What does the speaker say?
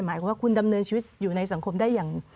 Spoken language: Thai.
หมายความว่าคุณดำเนินชีวิตอยู่ในสังคมได้อย่าง